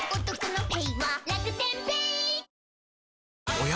おや？